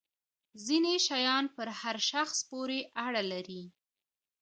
ځینې شیان پر هر شخص پورې اړه لري.